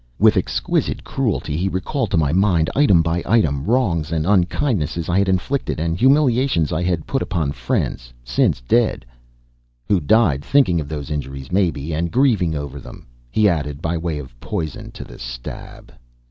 With exquisite cruelty he recalled to my mind, item by item, wrongs and unkindnesses I had inflicted and humiliations I had put upon friends since dead, "who died thinking of those injuries, maybe, and grieving over them," he added, by way of poison to the stab.